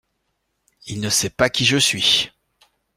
Il ne sait pas qui je suis.